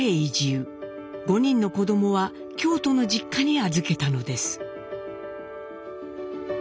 ５人の子供は京都の実家に預けたのです。